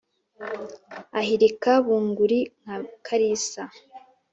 Ahirika bunguri nka Kalisa